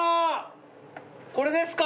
これですか。